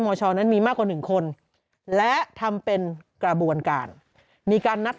ชนั้นมีมากกว่า๑คนและทำเป็นกระบวนการมีการนัด